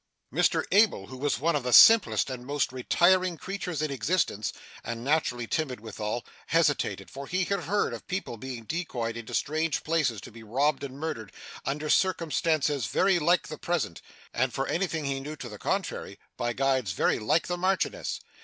Mr Abel, who was one of the simplest and most retiring creatures in existence, and naturally timid withal, hesitated; for he had heard of people being decoyed into strange places to be robbed and murdered, under circumstances very like the present, and, for anything he knew to the contrary, by guides very like the Marchioness.